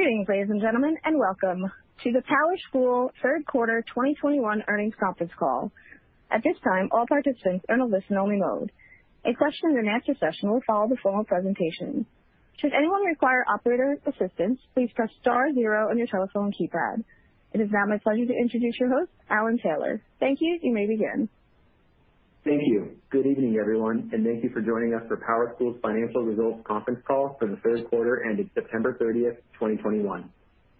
Greetings, ladies and gentlemen, and welcome to the PowerSchool third quarter 2021 earnings conference call. At this time, all participants are in listen-only mode. A question-and-answer session will follow the formal presentation. Should anyone require operator assistance, please press star zero on your telephone keypad. It is now my pleasure to introduce your host, Alan Taylor. Thank you. You may begin. Thank you. Good evening, everyone, and thank you for joining us for PowerSchool's financial results conference call for the third quarter ending September 30th, 2021.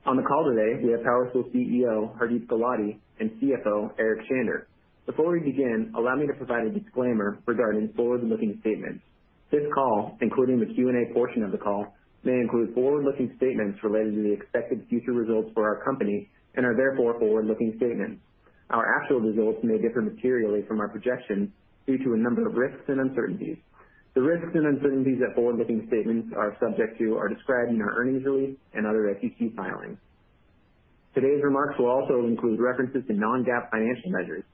On the call today we have PowerSchool CEO Hardeep Gulati and CFO Eric Shander. Before we begin, allow me to provide a disclaimer regarding forward-looking statements. This call, including the Q&A portion of the call, may include forward-looking statements related to the expected future results for our company and are therefore forward-looking statements. Our actual results may differ materially from our projections due to a number of risks and uncertainties. The risks and uncertainties that forward-looking statements are subject to are described in our earnings release and other SEC filings. Today's remarks will also include references to non-GAAP financial measures.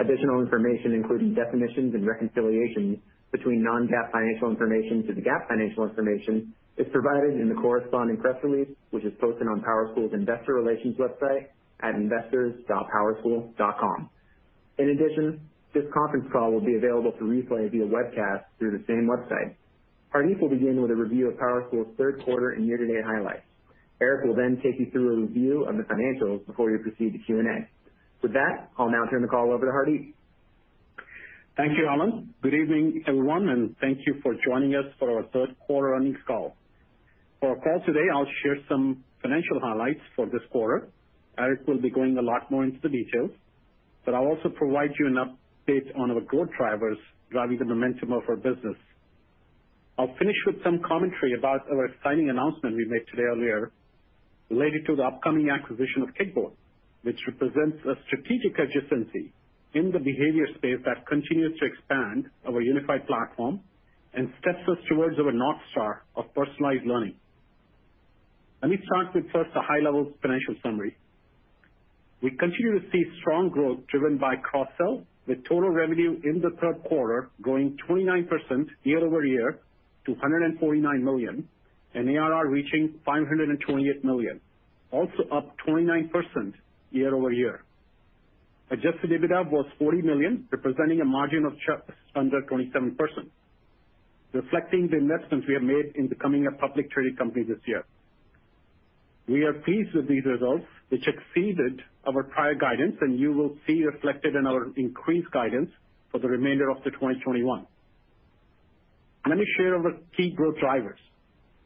Additional information, including definitions and reconciliations between non-GAAP financial information to the GAAP financial information, is provided in the corresponding press release, which is posted on PowerSchool's investor relations website at investors.powerschool.com. In addition, this conference call will be available to replay via webcast through the same website. Hardeep will begin with a review of PowerSchool's third quarter and year-to-date highlights. Eric will then take you through a review of the financials before we proceed to Q&A. With that, I'll now turn the call over to Hardeep. Thank you, Alan. Good evening, everyone, and thank you for joining us for our third quarter earnings call. For our call today, I'll share some financial highlights for this quarter. Eric will be going a lot more into the details, but I'll also provide you an update on our growth drivers driving the momentum of our business. I'll finish with some commentary about our exciting announcement we made earlier today related to the upcoming acquisition of Kickboard, which represents a strategic adjacency in the behavior space that continues to expand our unified platform and steps us towards our North Star of personalized learning. Let me start with a high-level financial summary. We continue to see strong growth driven by cross-sell with total revenue in the third quarter growing 29% year-over-year to $149 million and ARR reaching $528 million, also up 29% year-over-year. Adjusted EBITDA was $40 million, representing a margin of just under 27%, reflecting the investments we have made in becoming a publicly traded company this year. We are pleased with these results, which exceeded our prior guidance and you will see reflected in our increased guidance for the remainder of the 2021. Let me share our key growth drivers.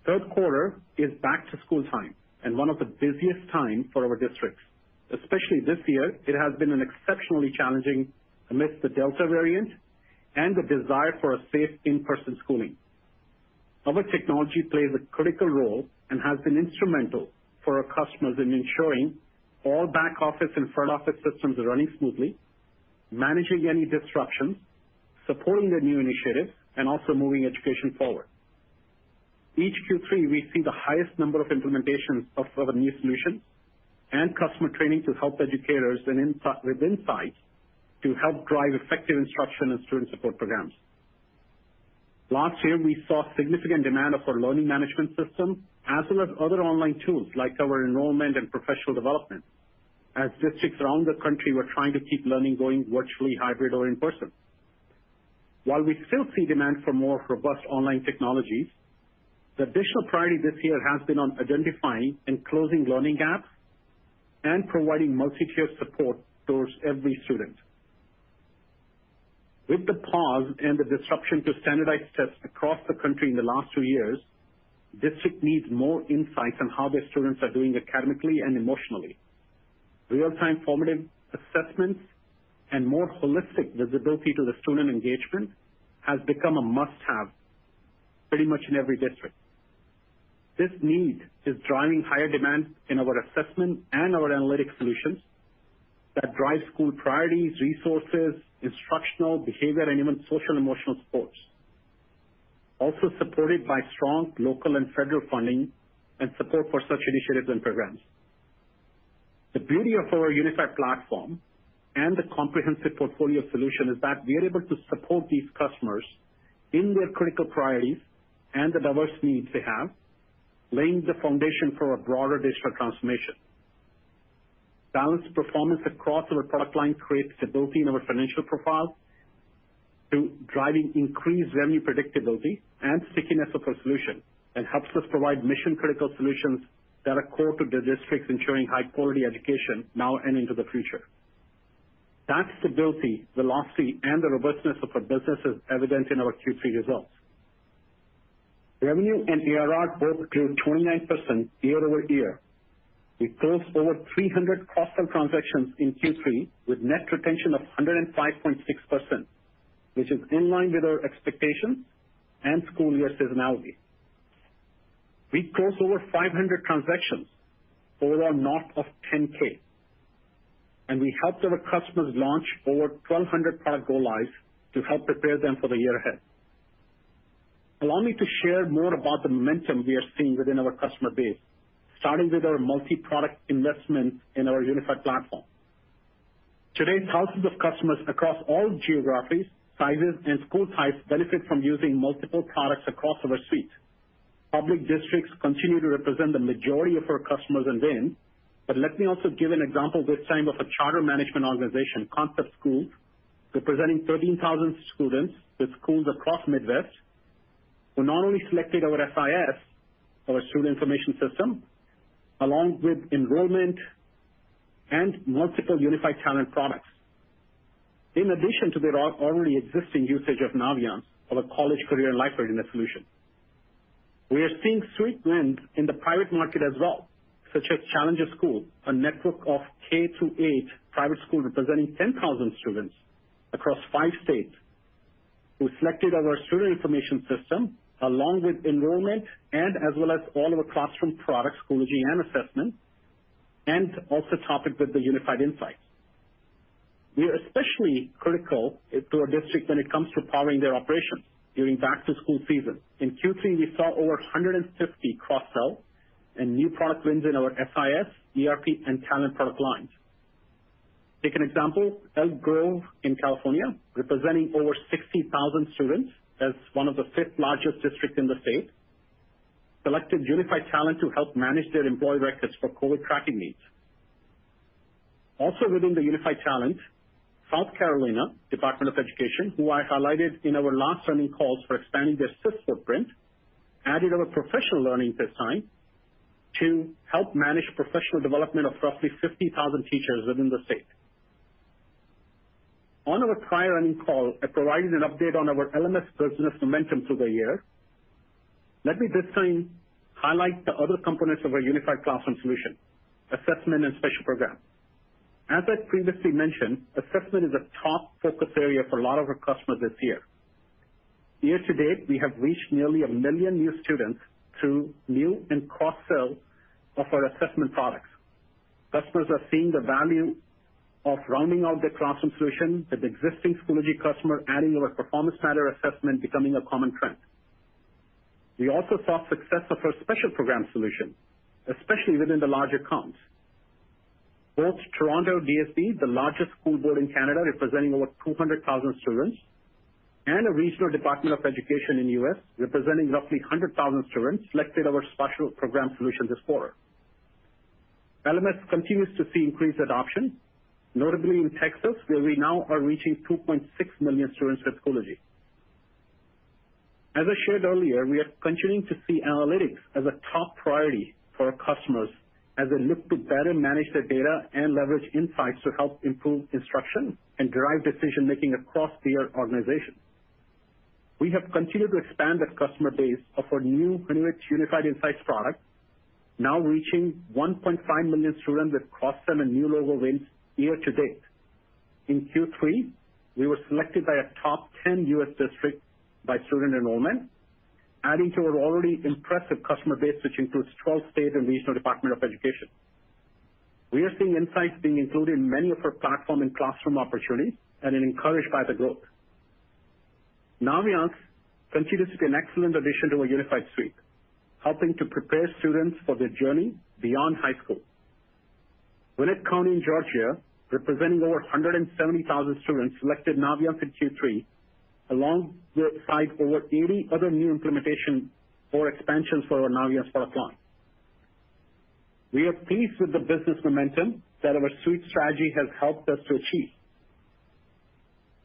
Third quarter is back to school time and one of the busiest time for our districts. Especially this year, it has been an exceptionally challenging amidst the Delta variant and the desire for a safe in-person schooling. Our technology plays a critical role and has been instrumental for our customers in ensuring all back-office and front-office systems are running smoothly, managing any disruptions, supporting their new initiatives, and also moving education forward. Each Q3, we see the highest number of implementations of our new solutions and customer training to help educators with insights to help drive effective instruction and student support programs. Last year, we saw significant demand for our learning management system as well as other online tools like our enrollment and professional development, as districts around the country were trying to keep learning going virtually, hybrid or in-person. While we still see demand for more robust online technologies, the additional priority this year has been on identifying and closing learning gaps and providing multi-tiered support towards every student. With the pause and the disruption to standardized tests across the country in the last two years, districts need more insights on how their students are doing academically and emotionally. Real-time formative assessments and more holistic visibility to the student engagement has become a must-have pretty much in every district. This need is driving higher demand in our assessment and our analytic solutions that drive school priorities, resources, instructional, behavior, and even social emotional supports, also supported by strong local and federal funding and support for such initiatives and programs. The beauty of our unified platform and the comprehensive portfolio solution is that we are able to support these customers in their critical priorities and the diverse needs they have, laying the foundation for a broader digital transformation. Balanced performance across our product line creates stability in our financial profile through driving increased revenue predictability and stickiness of our solution, and helps us provide mission-critical solutions that are core to the districts ensuring high quality education now and into the future. That stability, velocity, and the robustness of our business is evident in our Q3 results. Revenue and ARR both grew 29% year-over-year. We closed over 300 cross-sell transactions in Q3 with net retention of 105.6%, which is in line with our expectations and school year seasonality. We closed over 500 transactions over $10,000, and we helped our customers launch over 1,200 PowerSchool go-lives to help prepare them for the year ahead. Allow me to share more about the momentum we are seeing within our customer base, starting with our multi-product investment in our unified platform. Today, thousands of customers across all geographies, sizes, and school types benefit from using multiple products across our suite. Public districts continue to represent the majority of our customers and wins, but let me also give an example this time of a charter management organization, Concept Schools, representing 13,000 students with schools across Midwest, who not only selected our SIS or Student Information System, along with enrollment and multiple Unified Talent products. In addition to their already existing usage of Naviance, our college career and life readiness solution. We are seeing suite wins in the private market as well, such as Challenger School, a network of K-8 private school representing 10,000 students across five states who selected our Student Information System along with enrollment and as well as all of our classroom products, Schoology and Assessment, and also top it with the Unified Insights. We are especially critical to a district when it comes to powering their operations during back-to-school season. In Q3, we saw over 150 cross-sell and new product wins in our SIS, ERP, and Talent product lines. Take an example, Elk Grove in California, representing over 60,000 students as one of the fifth largest district in the state, selected Unified Talent to help manage their employee records for COVID tracking needs. Also within the Unified Talent, South Carolina Department of Education, who I highlighted in our last earnings calls for expanding their SIS footprint, added our professional learning this time to help manage professional development of roughly 50,000 teachers within the state. On our prior earnings call, I provided an update on our LMS business momentum through the year. Let me this time highlight the other components of our Unified Classroom solution, Assessment and Special Programs. As I previously mentioned, Assessment is a top focus area for a lot of our customers this year. Year-to-date, we have reached nearly 1 million new students through new and cross-sell of our assessment products. Customers are seeing the value of rounding out their classroom solution with existing Schoology customer adding our Performance Matters assessment becoming a common trend. We also saw success of our Special Programs solution, especially within the large accounts. Both Toronto DSB, the largest school board in Canada, representing over 200,000 students, and a regional department of education in the U.S., representing roughly 100,000 students, selected our Special Programs solution this quarter. LMS continues to see increased adoption, notably in Texas, where we now are reaching 2.6 million students with Schoology. As I shared earlier, we are continuing to see analytics as a top priority for our customers as they look to better manage their data and leverage insights to help improve instruction and drive decision-making across their organization. We have continued to expand the customer base of our new Premium Unified Insights product, now reaching 1.5 million students with cross-sell and new logo wins year-to-date. In Q3, we were selected by a top 10 U.S. district by student enrollment, adding to our already impressive customer base, which includes 12 state and regional departments of education. We are seeing Insights being included in many of our platform and classroom opportunities and are encouraged by the growth. Naviance continues to be an excellent addition to our Unified suite, helping to prepare students for their journey beyond high school. Gwinnett County in Georgia, representing over 170,000 students, selected Naviance in Q3, alongside over 80 other new implementations or expansions for our Naviance product line. We are pleased with the business momentum that our suite strategy has helped us to achieve.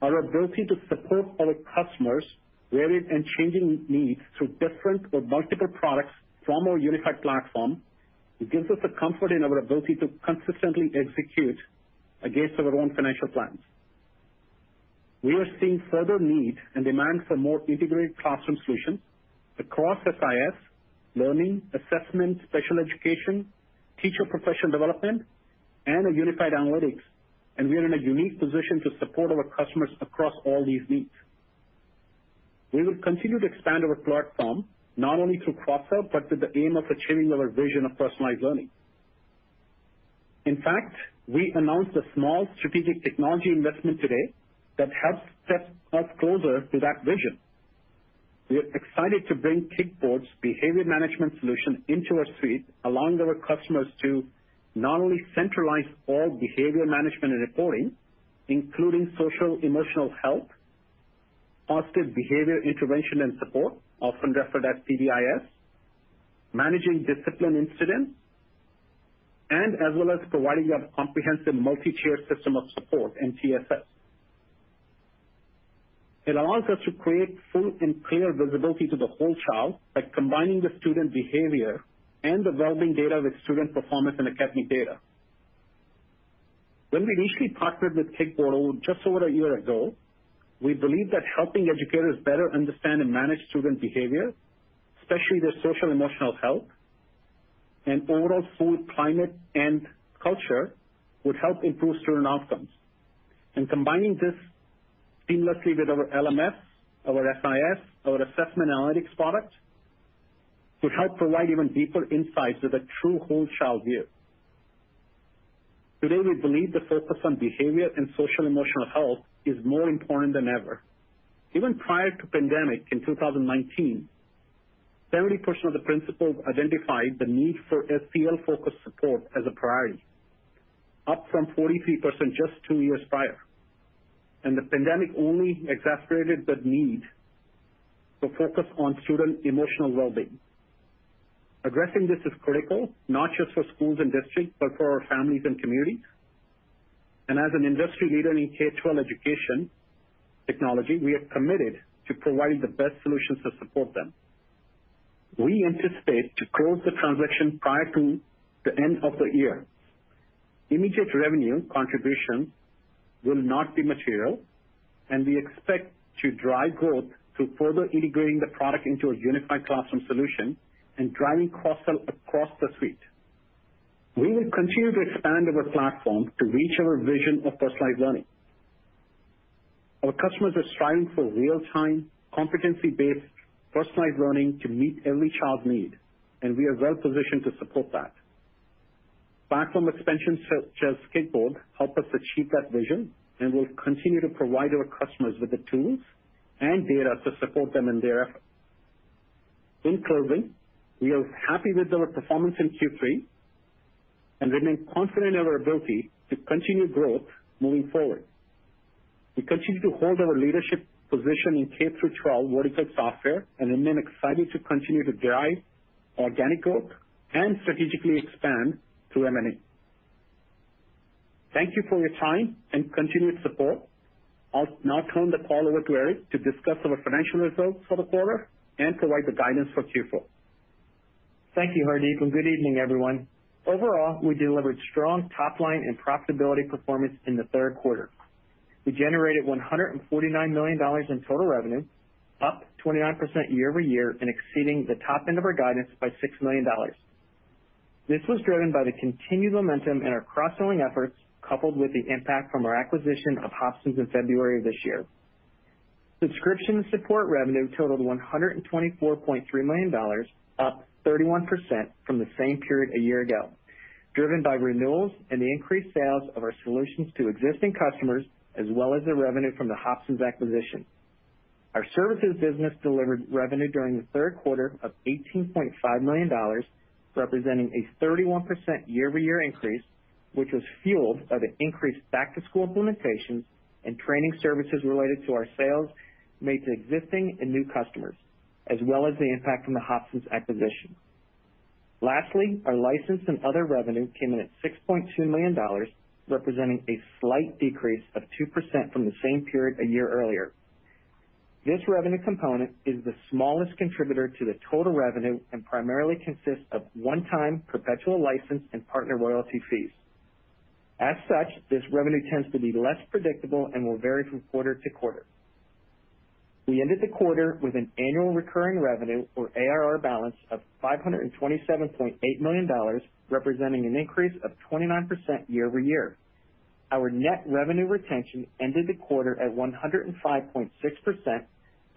Our ability to support our customers' varied and changing needs through different or multiple products from our unified platform, it gives us the comfort in our ability to consistently execute against our own financial plans. We are seeing further need and demand for more integrated classroom solutions across SIS, learning, assessment, special education, teacher professional development, and our Unified Analytics, and we are in a unique position to support our customers across all these needs. We will continue to expand our platform, not only through cross-sell, but with the aim of achieving our vision of personalized learning. In fact, we announced a small strategic technology investment today that helps step us closer to that vision. We are excited to bring Kickboard's behavior management solution into our suite, allowing our customers to not only centralize all behavior management and reporting, including social emotional health, Positive Behavior Intervention and Support, often referred to as PBIS, managing discipline incidents, and as well as providing a comprehensive multi-tiered system of support, MTSS. It allows us to create full and clear visibility to the whole child by combining the student behavior and developing data with student performance and academic data. When we initially partnered with Kickboard just over a year ago, we believed that helping educators better understand and manage student behavior, especially their social emotional health and overall school climate and culture, would help improve student outcomes. Combining this seamlessly with our LMS, our SIS, our Assessment Analytics product, would help provide even deeper insights with a true whole child view. Today, we believe the focus on behavior and social emotional health is more important than ever. Even prior to the pandemic in 2019, 70% of the principals identified the need for SEL-focused support as a priority, up from 43% just two years prior. The pandemic only exacerbated the need to focus on student emotional well-being. Addressing this is critical, not just for schools and districts, but for our families and communities. As an industry leader in K-12 education technology, we are committed to providing the best solutions to support them. We anticipate to close the transaction prior to the end of the year. Immediate revenue contributions will not be material, and we expect to drive growth through further integrating the product into our Unified Classroom solution and driving cross-sell across the suite. We will continue to expand our platform to reach our vision of personalized learning. Our customers are striving for real-time, competency-based, personalized learning to meet every child need, and we are well positioned to support that. Platform expansions such as Kickboard help us achieve that vision, and we'll continue to provide our customers with the tools and data to support them in their efforts. In closing, we are happy with our performance in Q3 and remain confident in our ability to continue growth moving forward. We continue to hold our leadership position in K-12 vertical software and remain excited to continue to drive organic growth and strategically expand through M&A. Thank you for your time and continued support. I'll now turn the call over to Eric to discuss our financial results for the quarter and provide the guidance for Q4. Thank you, Hardeep, and good evening, everyone. Overall, we delivered strong top line and profitability performance in the third quarter. We generated $149 million in total revenue, up 29% year-over-year and exceeding the top end of our guidance by $6 million. This was driven by the continued momentum in our cross-selling efforts, coupled with the impact from our acquisition of Hobsons in February of this year. Subscription and support revenue totaled $124.3 million, up 31% from the same period a year ago, driven by renewals and the increased sales of our solutions to existing customers, as well as the revenue from the Hobsons acquisition. Our services business delivered revenue during the third quarter of $18.5 million, representing a 31% year-over-year increase, which was fueled by the increased back-to-school implementations and training services related to our sales made to existing and new customers, as well as the impact from the Hobsons acquisition. Lastly, our license and other revenue came in at $6.2 million, representing a slight decrease of 2% from the same period a year earlier. This revenue component is the smallest contributor to the total revenue and primarily consists of one-time perpetual license and partner royalty fees. As such, this revenue tends to be less predictable and will vary from quarter to quarter. We ended the quarter with an annual recurring revenue, or ARR balance of $527.8 million, representing an increase of 29% year- over-year. Our net revenue retention ended the quarter at 105.6%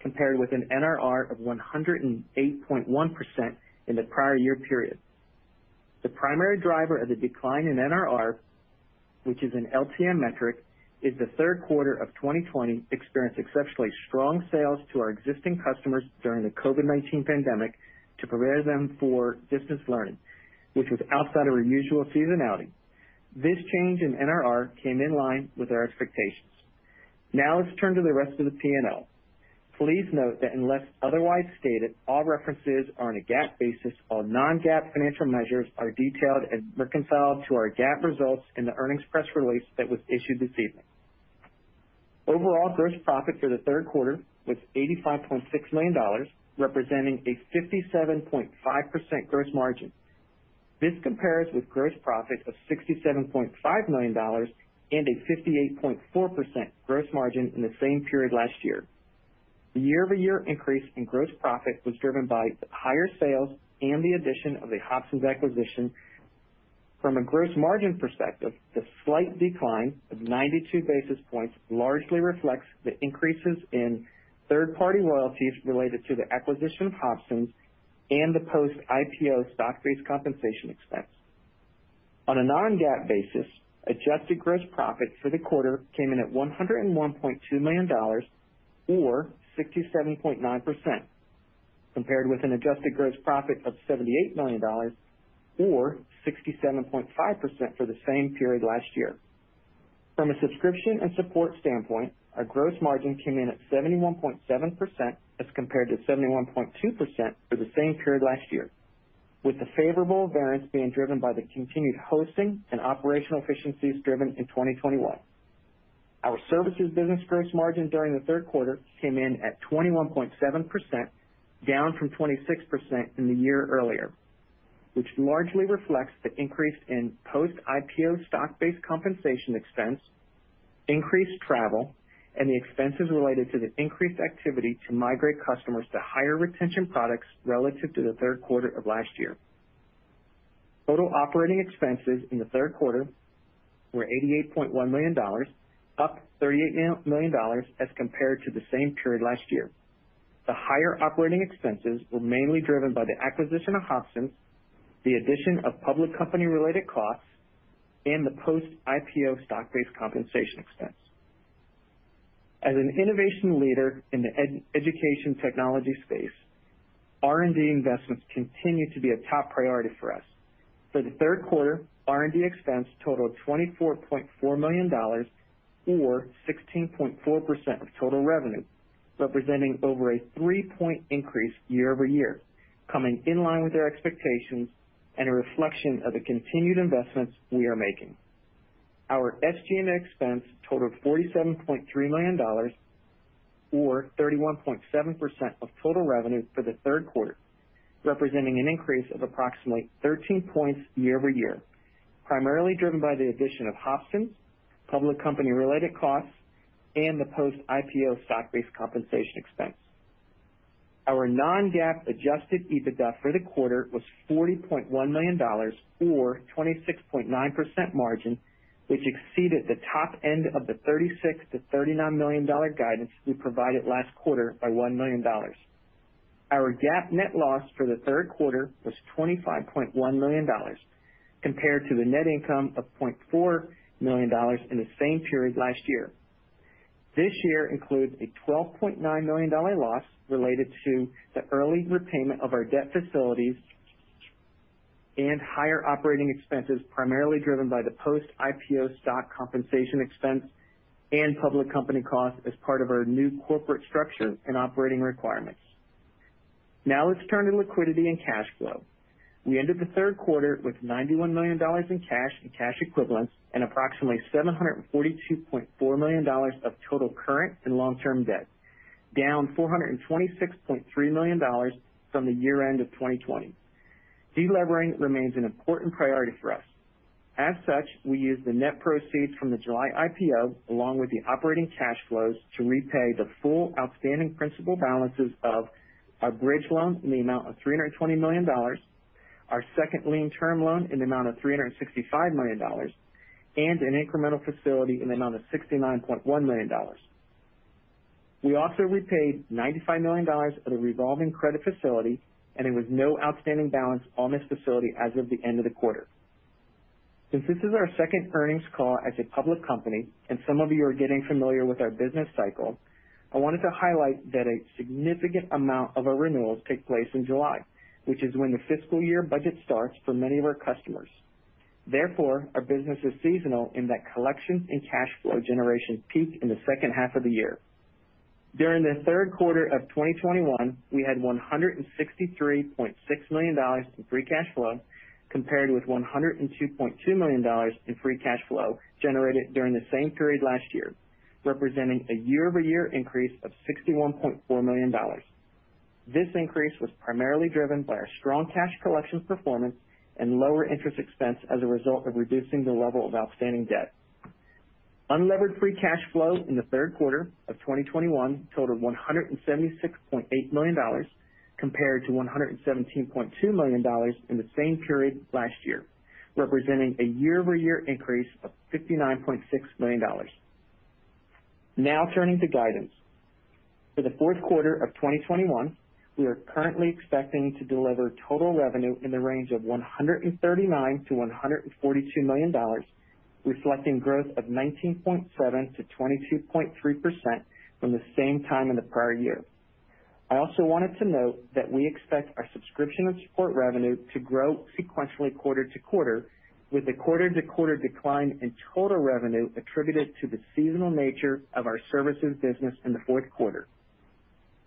compared with an NRR of 108.1% in the prior year period. The primary driver of the decline in NRR, which is an LTM metric, is that the third quarter of 2020 experienced exceptionally strong sales to our existing customers during the COVID-19 pandemic to prepare them for distance learning, which was outside of our usual seasonality. This change in NRR came in line with our expectations. Now, let's turn to the rest of the P&L. Please note that unless otherwise stated, all references are on a GAAP basis. All non-GAAP financial measures are detailed and reconciled to our GAAP results in the earnings press release that was issued this evening. Overall, gross profit for the third quarter was $85.6 million, representing a 57.5% gross margin. This compares with gross profit of $67.5 million and a 58.4% gross margin in the same period last year. The year-over-year increase in gross profit was driven by higher sales and the addition of the Hobsons acquisition. From a gross margin perspective, the slight decline of 92 basis points largely reflects the increases in third-party royalties related to the acquisition of Hobsons and the post-IPO stock-based compensation expense. On a non-GAAP basis, adjusted gross profit for the quarter came in at $101.2 million or 67.9%, compared with an adjusted gross profit of $78 million or 67.5% for the same period last year. From a subscription and support standpoint, our gross margin came in at 71.7% as compared to 71.2% for the same period last year, with the favorable variance being driven by the continued hosting and operational efficiencies driven in 2021. Our services business gross margin during the third quarter came in at 21.7%, down from 26% in the year earlier, which largely reflects the increase in post-IPO stock-based compensation expense, increased travel, and the expenses related to the increased activity to migrate customers to higher retention products relative to the third quarter of last year. Total operating expenses in the third quarter were $88.1 million, up $38 million as compared to the same period last year. The higher operating expenses were mainly driven by the acquisition of Hobsons, the addition of public company-related costs, and the post-IPO stock-based compensation expense. As an innovation leader in the education technology space, R&D investments continue to be a top priority for us. For the third quarter, R&D expense totaled $24.4 million or 16.4% of total revenue, representing over a three-point increase year-over-year, coming in line with our expectations and a reflection of the continued investments we are making. Our SG&A expense totaled $47.3 million or 31.7% of total revenue for the third quarter, representing an increase of approximately 13 points year-over-year, primarily driven by the addition of Hobsons, public company-related costs, and the post-IPO stock-based compensation expense. Our non-GAAP adjusted EBITDA for the quarter was $40.1 million or 26.9% margin, which exceeded the top end of the $36 million-$39 million guidance we provided last quarter by $1 million. Our GAAP net loss for the third quarter was $25.1 million compared to the net income of $0.4 million in the same period last year. This year includes a $12.9 million loss related to the early repayment of our debt facilities and higher operating expenses, primarily driven by the post-IPO stock compensation expense and public company costs as part of our new corporate structure and operating requirements. Now let's turn to liquidity and cash flow. We ended the third quarter with $91 million in cash and cash equivalents and approximately $742.4 million of total current and long-term debt, down $426.3 million from the year end of 2020. Delevering remains an important priority for us. As such, we used the net proceeds from the July IPO along with the operating cash flows to repay the full outstanding principal balances of our bridge loan in the amount of $320 million, our second lien term loan in the amount of $365 million, and an incremental facility in the amount of $69.1 million. We also repaid $95 million of the revolving credit facility, and there was no outstanding balance on this facility as of the end of the quarter. Since this is our second earnings call as a public company and some of you are getting familiar with our business cycle, I wanted to highlight that a significant amount of our renewals take place in July, which is when the fiscal year budget starts for many of our customers. Therefore, our business is seasonal in that collections and cash flow generation peak in the second half of the year. During the third quarter of 2021, we had $163.6 million in free cash flow compared with $102.2 million in free cash flow generated during the same period last year, representing a year-over-year increase of $61.4 million. This increase was primarily driven by our strong cash collections performance and lower interest expense as a result of reducing the level of outstanding debt. Unlevered free cash flow in the third quarter of 2021 totaled $176.8 million compared to $117.2 million in the same period last year, representing a year-over-year increase of $59.6 million. Now turning to guidance. For the fourth quarter of 2021, we are currently expecting to deliver total revenue in the range of $139 million-$142 million, reflecting growth of 19.7%-22.3% from the same time in the prior year. I also wanted to note that we expect our subscription and support revenue to grow sequentially quarter-over-quarter, with a quarter-over-quarter decline in total revenue attributed to the seasonal nature of our services business in the fourth quarter.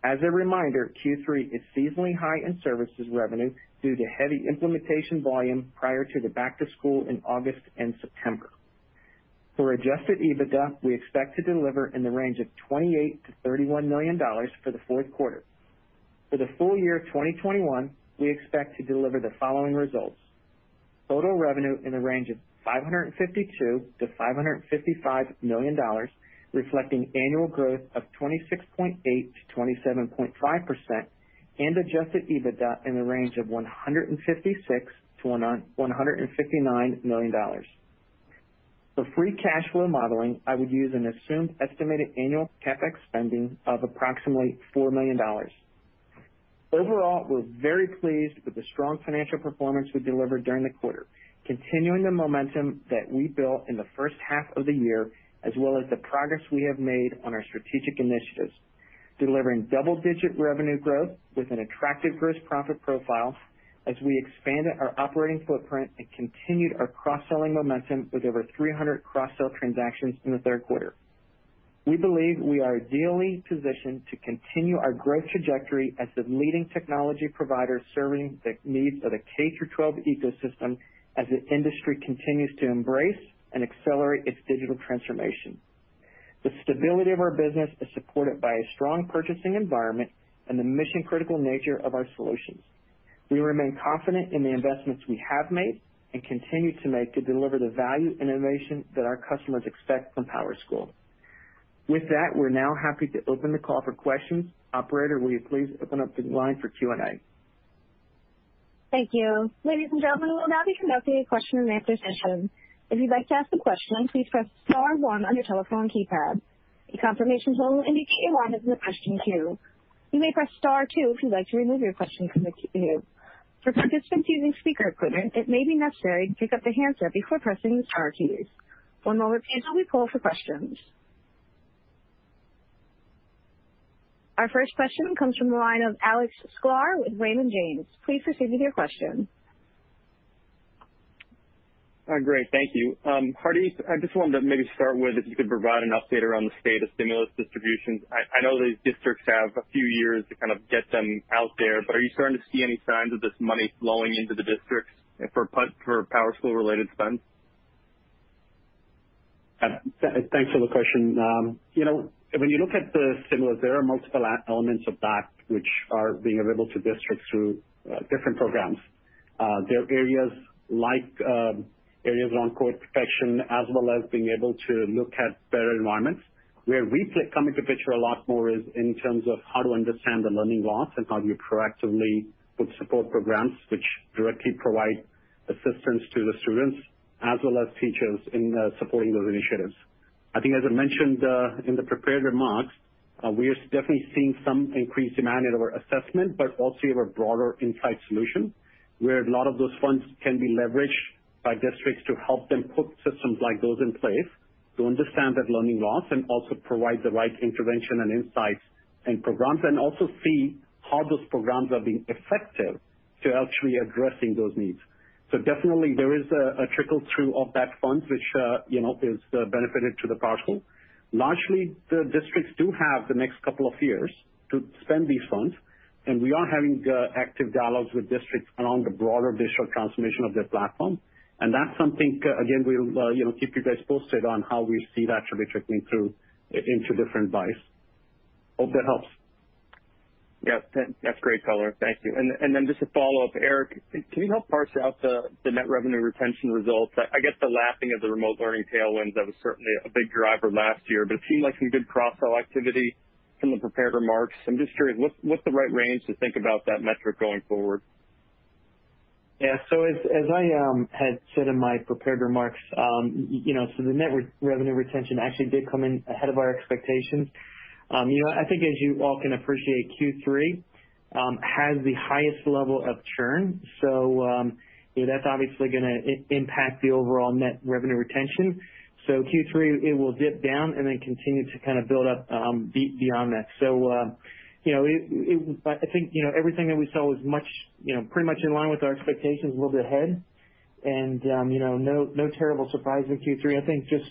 As a reminder, Q3 is seasonally high in services revenue due to heavy implementation volume prior to the back to school in August and September. For adjusted EBITDA, we expect to deliver in the range of $28 million-$31 million for the fourth quarter. For the full year 2021, we expect to deliver the following results: total revenue in the range of $552 million-$555 million, reflecting annual growth of 26.8%-27.5%, and adjusted EBITDA in the range of $156 million-$159 million. For free cash flow modeling, I would use an assumed estimated annual CapEx spending of approximately $4 million. Overall, we're very pleased with the strong financial performance we delivered during the quarter, continuing the momentum that we built in the first half of the year as well as the progress we have made on our strategic initiatives, delivering double-digit revenue growth with an attractive gross profit profile as we expanded our operating footprint and continued our cross-selling momentum with over 300 cross-sell transactions in the third quarter. We believe we are ideally positioned to continue our growth trajectory as the leading technology provider serving the needs of the K-12 ecosystem as the industry continues to embrace and accelerate its digital transformation. The stability of our business is supported by a strong purchasing environment and the mission-critical nature of our solutions. We remain confident in the investments we have made and continue to make to deliver the value and innovation that our customers expect from PowerSchool. With that, we're now happy to open the call for questions. Operator, will you please open up the line for Q&A. Thank you. Ladies and gentlemen, we'll now be conducting a question-and-answer session. If you'd like to ask a question, please press star one on your telephone keypad. A confirmation tone will indicate you have been placed in the question queue. You may press star two if you'd like to remove your question from the queue. For participants using speaker equipment, it may be necessary to pick up the handset before pressing the star key. One moment please while we poll for questions. Our first question comes from the line of Alex Sklar with Raymond James. Please proceed with your question. Great. Thank you. Hardeep, I just wanted to maybe start with if you could provide an update around the state of stimulus distributions. I know these districts have a few years to kind of get them out there, but are you starting to see any signs of this money flowing into the districts for PowerSchool-related spends? Thanks for the question. You know, when you look at the stimulus, there are multiple elements of that which are being available to districts through different programs. There are areas like areas around core protection as well as being able to look at better environments, where we come into picture a lot more is in terms of how to understand the learning loss and how do you proactively put support programs which directly provide assistance to the students as well as teachers in supporting those initiatives. I think as I mentioned in the prepared remarks, we are definitely seeing some increased demand in our assessment, but also our broader insight solution, where a lot of those funds can be leveraged by districts to help them put systems like those in place to understand that learning loss and also provide the right intervention and insights and programs. Also see how those programs are being effective to actually addressing those needs. Definitely there is a trickle through of that fund which, you know, is benefited to the PowerSchool. Largely, the districts do have the next couple of years to spend these funds, and we are having active dialogues with districts around the broader digital transformation of their platform. That's something, again, we'll, you know, keep you guys posted on how we see that actually trickling through into different buys. Hope that helps. Yeah. That's great, color. Thank you. Then just a follow-up, Eric, can you help parse out the net revenue retention results? I get the lapping of the remote learning tailwinds. That was certainly a big driver last year, but it seemed like some good cross-sell activity from the prepared remarks. I'm just curious, what's the right range to think about that metric going forward? Yeah. As I had said in my prepared remarks, you know, so the net revenue retention actually did come in ahead of our expectations. You know, I think as you all can appreciate, Q3 has the highest level of churn, so you know, that's obviously gonna impact the overall net revenue retention. Q3, it will dip down and then continue to kind of build up beyond that. You know, it I think you know, everything that we saw was much you know, pretty much in line with our expectations a little bit ahead. You know, no terrible surprise in Q3. I think just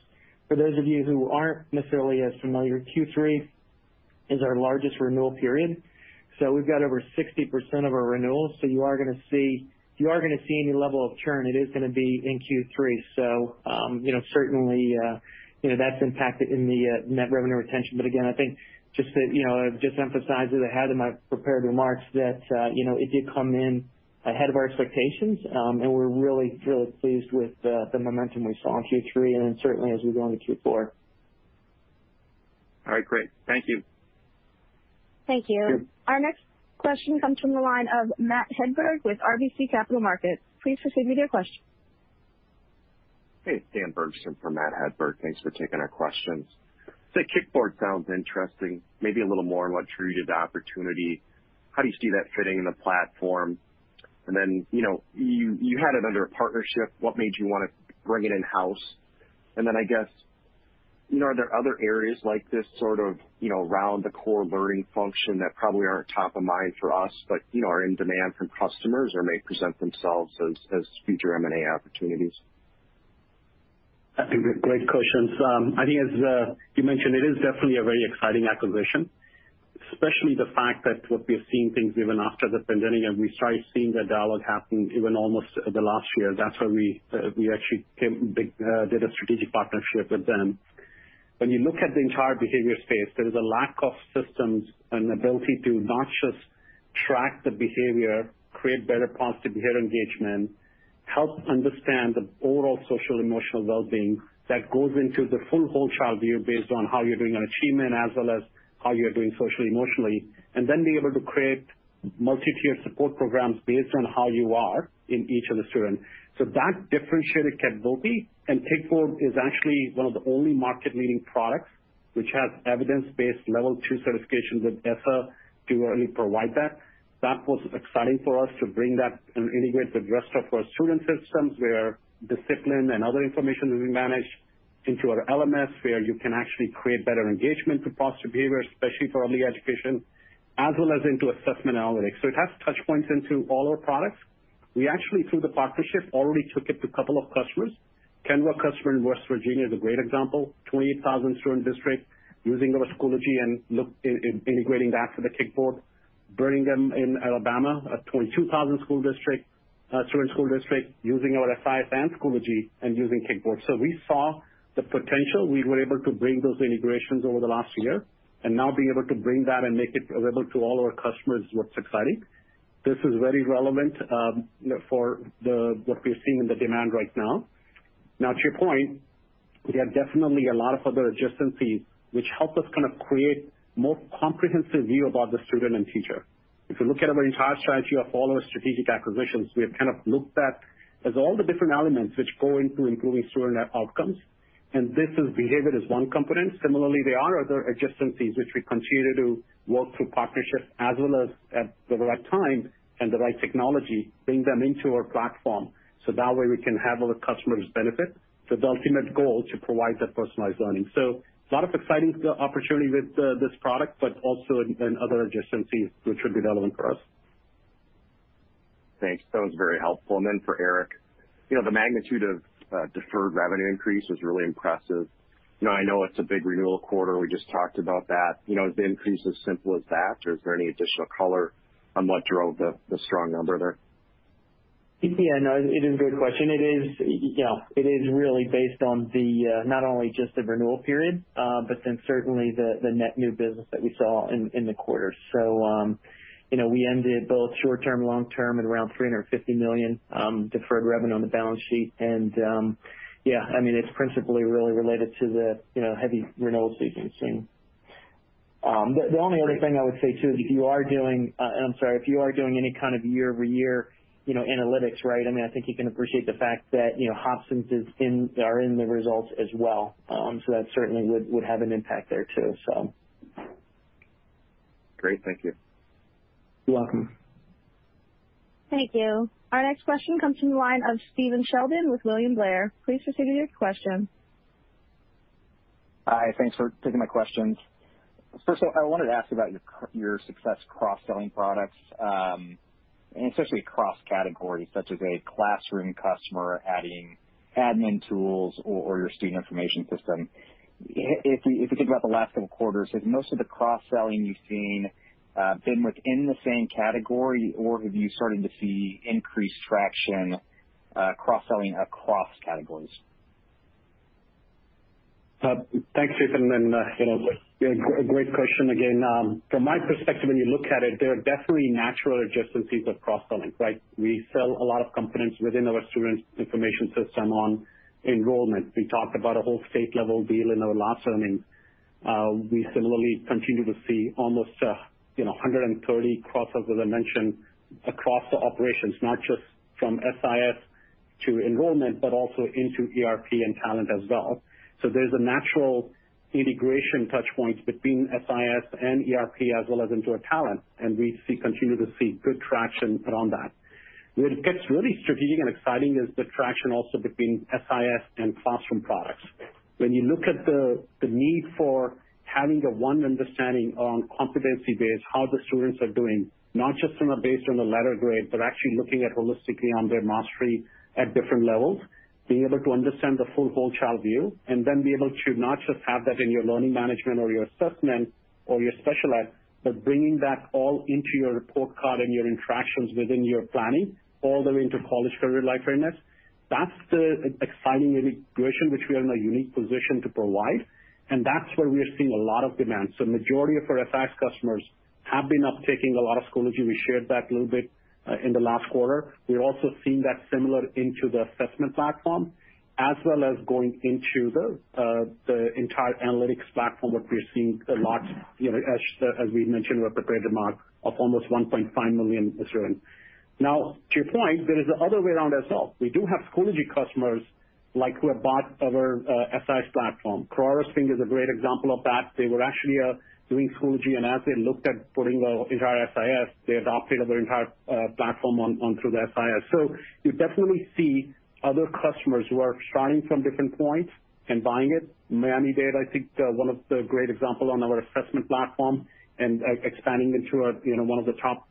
for those of you who aren't necessarily as familiar, Q3 is our largest renewal period, so we've got over 60% of our renewals. You are gonna see any level of churn; it is gonna be in Q3. You know, certainly, you know, that's impacted in the net revenue retention. Again, I think just to you know, just emphasize what I had in my prepared remarks that you know, it did come in ahead of our expectations. We're really pleased with the momentum we saw in Q3 and then certainly as we go into Q4. All right. Great. Thank you. Thank you. Sure. Our next question comes from the line of Matt Hedberg with RBC Capital Markets. Please proceed with your question. Hey, Dan Bergstrom for Matt Hedberg. Thanks for taking our questions. Kickboard sounds interesting. Maybe a little more on what drew you to the opportunity. How do you see that fitting in the platform? You know, you had it under a partnership. What made you wanna bring it in-house? I guess, you know, are there other areas like this sort of, you know, around the core learning function that probably aren't top of mind for us, but, you know, are in demand from customers or may present themselves as future M&A opportunities? I think they're great questions. I think as you mentioned, it is definitely a very exciting acquisition, especially the fact that what we are seeing things even after the pandemic, and we started seeing the dialogue happen even almost the last year. That's when we actually did a strategic partnership with them. When you look at the entire behavior space, there's a lack of systems and ability to not just track the behavior, create better paths to behavior engagement, help understand the overall social emotional wellbeing that goes into the full whole child view based on how you're doing on achievement as well as how you're doing socially, emotionally, and then be able to create multi-tiered support programs based on how you are in each of the student. That differentiated capability, and Kickboard is actually one of the only market leading products which has evidence-based Level II certification with ESSA to really provide that. That was exciting for us to bring that and integrate the rest of our student systems, where discipline and other information will be managed into our LMS, where you can actually create better engagement to foster behavior, especially for early education, as well as into assessment analytics. It has touch points into all our products. We actually, through the partnership, already took it to a couple of customers. Kanawha customer in West Virginia is a great example. 28,000-student district using our Schoology and look integrating that for the Kickboard. Birmingham in Alabama, a 22,000-student school district, using our SIS and Schoology and using Kickboard. We saw the potential. We were able to bring those integrations over the last year and now being able to bring that and make it available to all our customers is what's exciting. This is very relevant for what we're seeing in the demand right now. Now to your point, we have definitely a lot of other adjacencies which help us kind of create more comprehensive view about the student and teacher. If you look at our entire strategy of all our strategic acquisitions, we have kind of looked at as all the different elements which go into improving student outcomes. This is behaved as one component. Similarly, there are other adjacencies which we continue to work through partnerships as well as at the right time and the right technology, bring them into our platform so that way we can have our customers benefit and the ultimate goal to provide that personalized learning. A lot of exciting opportunity with this product, but also in other adjacencies, which would be relevant for us. Thanks. That was very helpful. Then for Eric, you know, the magnitude of deferred revenue increase was really impressive. You know, I know it's a big renewal quarter. We just talked about that. You know, is the increase as simple as that, or is there any additional color on what drove the strong number there? Yeah, no, it is a good question. It is really based on the not only just the renewal period, but then certainly the net new business that we saw in the quarter. You know, we ended both short-term, long-term at around $350 million deferred revenue on the balance sheet. Yeah, I mean, it's principally really related to the you know, heavy renewal sequencing. The only other thing I would say, too, if you are doing any kind of year-over-year, you know, analytics, right? I mean, I think you can appreciate the fact that, you know, Hobsons are in the results as well. That certainly would have an impact there too, so. Great. Thank you. You're welcome. Thank you. Our next question comes from the line of Stephen Sheldon with William Blair. Please proceed with your question. Hi. Thanks for taking my questions. First off, I wanted to ask you about your success cross-selling products, and especially across categories such as a classroom customer adding admin tools or your student information system. If we think about the last several quarters, has most of the cross-selling you've seen been within the same category, or have you started to see increased traction cross-selling across categories? Thanks, Stephen. You know, a great question again. From my perspective, when you look at it, there are definitely natural adjacencies of cross-selling, right? We sell a lot of components within our student information system on enrollment. We talked about a whole state level deal in our last earnings. We similarly continue to see almost 130 cross-sells, as I mentioned, across the operations, not just from SIS to enrollment, but also into ERP and talent as well. There's a natural integration touch points between SIS and ERP as well as into our talent, and we continue to see good traction around that. Where it gets really strategic and exciting is the traction also between SIS and classroom products. When you look at the need for having the one understanding on competency-based, how the students are doing, not just based on the letter grade, but actually looking at it holistically on their mastery at different levels, being able to understand the full whole child view, and then be able to not just have that in your learning management or your assessment or your special ed, but bringing that all into your report card and your interactions within your planning all the way into college career life readiness. That's the exciting integration which we are in a unique position to provide, and that's where we are seeing a lot of demand. Majority of our SIS customers have been uptaking a lot of Schoology but we shared that a little bit in the last quarter. We're also seeing that similar into the assessment platform, as well as going into the entire analytics platform, where we're seeing a lot, you know, as we mentioned, we're prepared to march toward almost 1.5 million this year. Now, to your point, there is the other way around as well. We do have Schoology customers, like, who have bought our SIS platform. Colorado Springs is a great example of that. They were actually doing Schoology, and as they looked at putting the entire SIS, they adopted our entire platform on through the SIS. So you definitely see other customers who are starting from different points and buying it. Miami-Dade, I think, one of the great example on our assessment platform and expanding into, you know, one of the top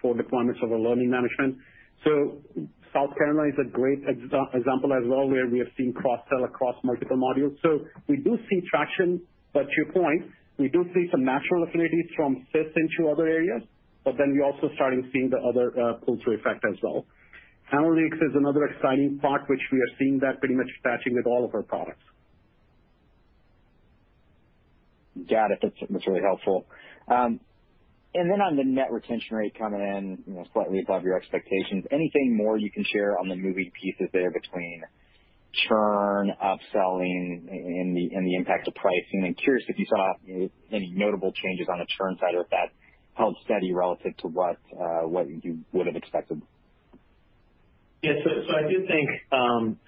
four deployments of our learning management. South Carolina is a great example as well, where we have seen cross-sell across multiple modules. We do see traction. To your point, we do see some natural affinities from SIS into other areas, but then we're also starting seeing the other pull-through effect as well. Analytics is another exciting part which we are seeing that pretty much touching with all of our products. Got it. That's really helpful. On the net retention rate coming in, you know, slightly above your expectations, anything more you can share on the moving pieces there between churn, upselling and the impact of pricing. Curious if you saw any notable changes on the churn side or if that held steady relative to what you would have expected. Yeah. I do think,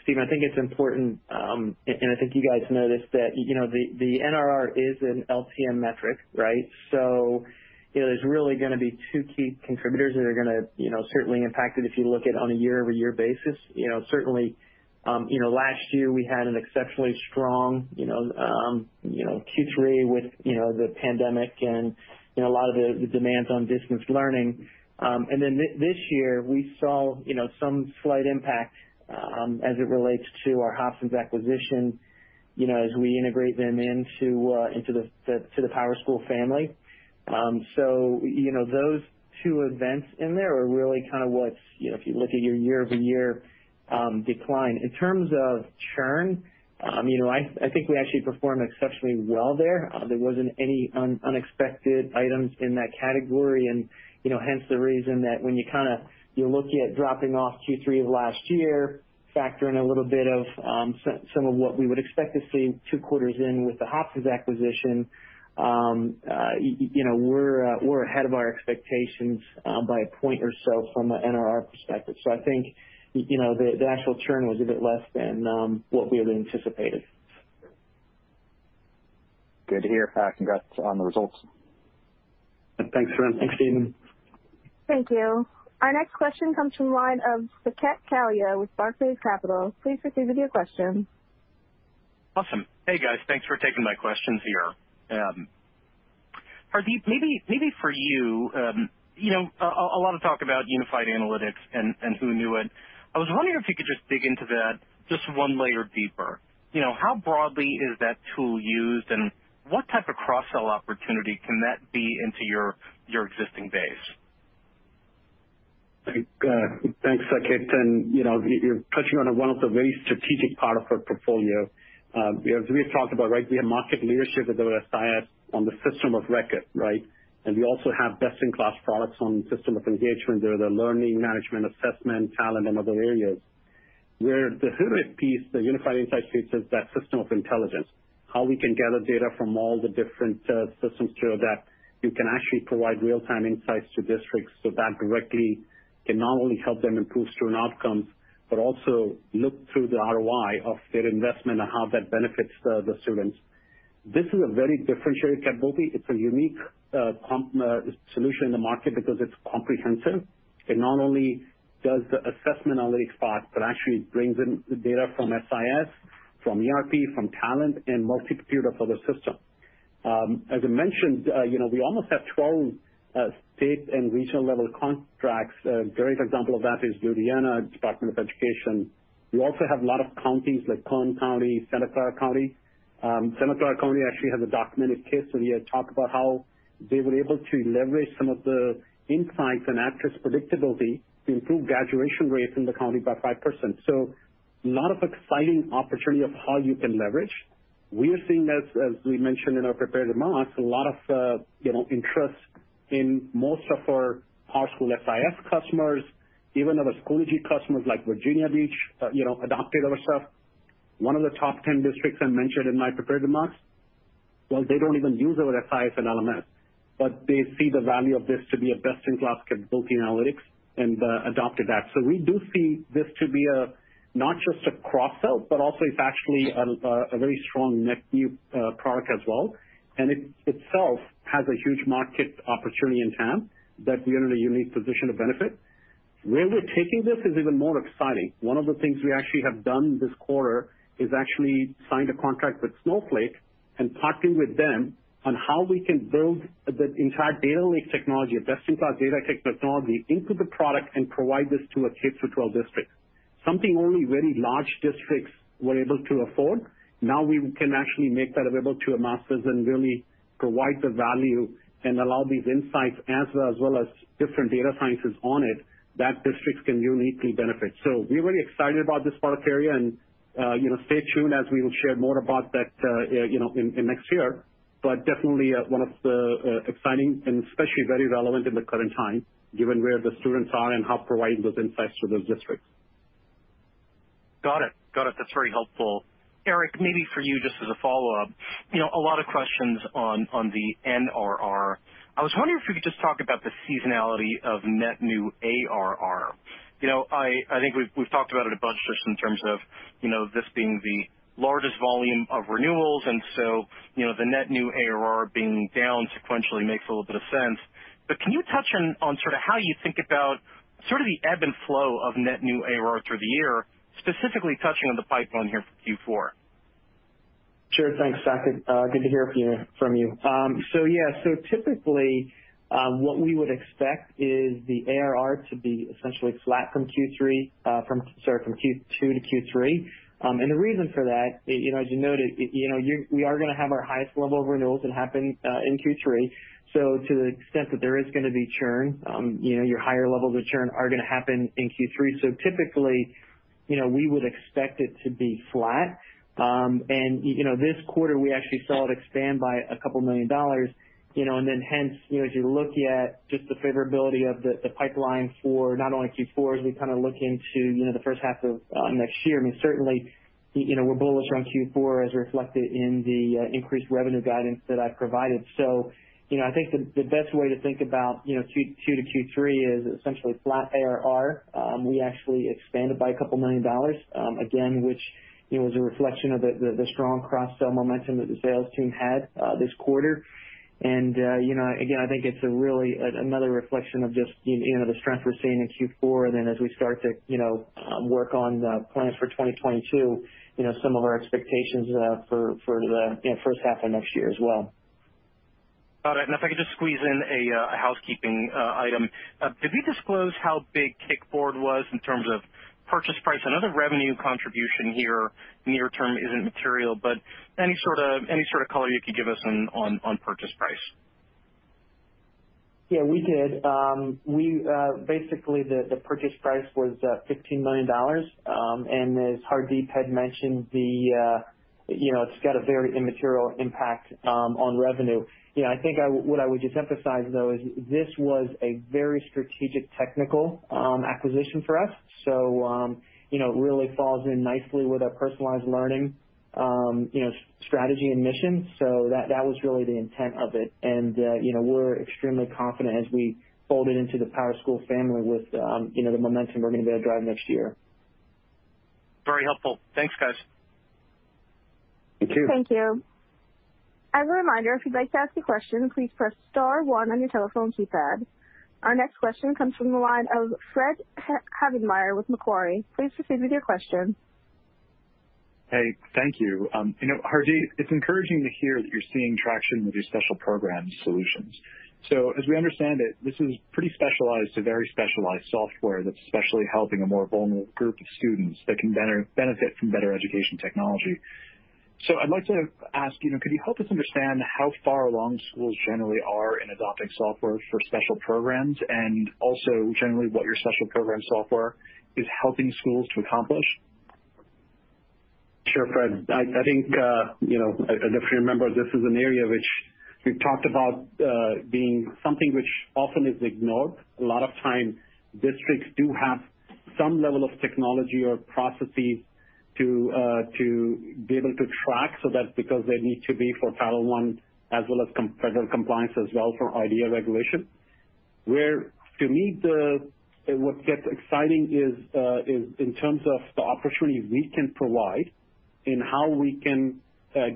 Stephen, I think it's important, and I think you guys noticed that, you know, the NRR is an LTM metric, right? You know, there's really gonna be two key contributors that are gonna, you know, certainly impact it if you look at on a year-over-year basis. You know, certainly, you know, last year we had an exceptionally strong, you know, Q3 with, you know, the pandemic and, you know, a lot of the demands on distance learning. And then this year we saw, you know, some slight impact, as it relates to our Hobsons acquisition, you know, as we integrate them into the PowerSchool family. You know, those two events in there are really kind of what's, you know, if you look at your year-over-year decline. In terms of churn, you know, I think we actually performed exceptionally well there. There wasn't any unexpected items in that category. You know, hence the reason that when you're looking at dropping off Q3 of last year, factor in a little bit of some of what we would expect to see two quarters in with the Hobsons acquisition. You know, we're ahead of our expectations by a point or so from a NRR perspective. I think you know, the actual churn was a bit less than what we had anticipated. Good to hear on that. Congrats on the results. Thanks, Eric. Thanks, Stephen. Thank you. Our next question comes from the line of Saket Kalia with Barclays Capital. Please proceed with your question. Awesome. Hey, guys. Thanks for taking my questions here. Hardeep, maybe for you know, a lot of talk about Unified Analytics and who knew it. I was wondering if you could just dig into that just one layer deeper. You know, how broadly is that tool used, and what type of cross-sell opportunity can that be into your existing base? Great. Thanks, Saket, and, you know, you're touching on one of the very strategic part of our portfolio. You know, as we have talked about, right? We have market leadership with our SIS on the system of record, right? We also have best-in-class products on system of engagement. They're the learning management assessment, talent and other areas. Where the glue piece, the Unified Insights piece is that system of intelligence, how we can gather data from all the different systems through that you can actually provide real-time insights to districts so that directly can not only help them improve student outcomes, but also look through the ROI of their investment and how that benefits the students. This is a very differentiated capability. It's a unique comprehensive solution in the market because it's comprehensive. It not only does the assessment analytics part, but actually brings in the data from SIS, from ERP, from talent, and multi-computer for the system. As I mentioned, you know, we almost have 12 state and regional level contracts. A great example of that is Louisiana Department of Education. We also have a lot of counties like Kern County, Santa Clara County. Santa Clara County actually has a documented case study that talk about how they were able to leverage some of the insights and actual predictability to improve graduation rates in the county by 5%. Lot of exciting opportunity of how you can leverage. We are seeing, as we mentioned in our prepared remarks, a lot of, you know, interest in most of our PowerSchool SIS customers, even our Schoology customers like Virginia Beach, you know, adopted our stuff. One of the top 10 districts I mentioned in my prepared remarks, well, they don't even use our SIS and LMS, but they see the value of this to be a best-in-class capability analytics and adopted that. We do see this to be a not just a cross-sell, but also it's actually a very strong net new product as well. It itself has a huge market opportunity in TAM that we are in a unique position to benefit. Where we're taking this is even more exciting. One of the things we actually have done this quarter is actually signed a contract with Snowflake and partnering with them on how we can build the entire data lake technology, a best-in-class data tech technology into the product and provide this to a K-12 district. Something only very large districts were able to afford. Now we can actually make that available to our masses and really provide the value and allow these insights as well as different data sciences on it that districts can uniquely benefit. We're very excited about this product area and, you know, stay tuned as we will share more about that, you know, in next year. Definitely, one of the exciting and especially very relevant in the current time, given where the students are and how providing those insights to those districts. Got it. That's very helpful. Eric, maybe for you, just as a follow-up, you know, a lot of questions on the NRR. I was wondering if you could just talk about the seasonality of net new ARR. You know, I think we've talked about it a bunch just in terms of, you know, this being the largest volume of renewals and so, you know, the net new ARR being down sequentially makes a little bit of sense. Can you touch on on sort of how you think about sort of the ebb and flow of net new ARR through the year, specifically touching on the pipeline here for Q4? Sure. Thanks, Saket. Good to hear from you. Typically, what we would expect is the ARR to be essentially flat from Q2 to Q3. The reason for that, you know, as you noted, we are gonna have our highest level of renewals that happen in Q3. To the extent that there is gonna be churn, you know, our higher levels of churn are gonna happen in Q3. Typically, you know, we would expect it to be flat. You know, this quarter, we actually saw it expand by $2 million, you know, and then hence, you know, as you look at just the favorability of the pipeline for not only Q4, as we kinda look into, you know, the first half of next year, I mean, certainly, you know, we're bullish around Q4 as reflected in the increased revenue guidance that I've provided. You know, I think the best way to think about Q2 to Q3 is essentially flat ARR. We actually expanded by a couple of million again, which, you know, is a reflection of the strong cross-sell momentum that the sales team had this quarter. You know, again, I think it's really another reflection of just you know the strength we're seeing in Q4. As we start to, you know, work on plans for 2022, you know, some of our expectations for the first half of next year as well. Got it. If I could just squeeze in a housekeeping item. Did we disclose how big Kickboard was in terms of purchase price? I know the revenue contribution here near term isn't material, but any sort of color you could give us on purchase price? Yeah, we did. We basically the purchase price was $15 million. As Hardeep had mentioned, you know, it's got a very immaterial impact on revenue. You know, I think what I would just emphasize, though, is this was a very strategic technical acquisition for us. You know, it really falls in nicely with our personalized learning, you know, strategy and mission. That was really the intent of it. You know, we're extremely confident as we fold it into the PowerSchool family with, you know, the momentum we're gonna be able to drive next year. Very helpful. Thanks, guys. Thank you. Thank you. As a reminder, if you'd like to ask a question, please press star one on your telephone keypad. Our next question comes from the line of Fred Havemeyer with Macquarie. Please proceed with your question. Hey, thank you. You know, Hardeep, it's encouraging to hear that you're seeing traction with your Special Programs solutions. As we understand it, this is pretty specialized to very specialized software that's especially helping a more vulnerable group of students that can better benefit from better education technology. I'd like to ask, you know, could you help us understand how far along schools generally are in adopting software for Special Programs and also generally what your Special Programs software is helping schools to accomplish? Sure, Fred. I think, you know, and if you remember, this is an area which we've talked about, being something which often is ignored. A lot of time districts do have some level of technology or processes to be able to track so that because they need to be for Title I as well as federal compliance as well for IDEA regulation. Where to me, what gets exciting is in terms of the opportunities we can provide in how we can,